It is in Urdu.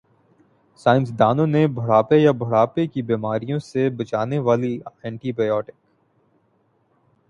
سائنسدانوں نےبڑھاپے یا بڑھاپے کی بیماریوں سے بچانے والی اینٹی بائیوٹک